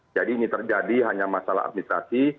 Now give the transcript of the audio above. jadi ini terjadi hanya masalah administrasi